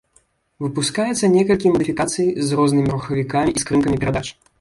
Выпускаецца некалькі мадыфікацый з рознымі рухавікамі і скрынкамі перадач.